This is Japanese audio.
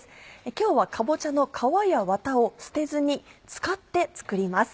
今日はかぼちゃの皮やワタを捨てずに使って作ります。